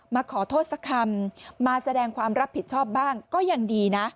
มาขอโทษสักคำมาแสดงความรับผิดชอบบ้างก็ยังดีนะ